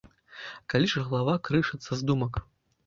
Калі ж галава крышыцца з думак.